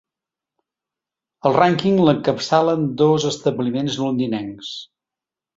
El rànquing l’encapçalen dos establiments londinencs.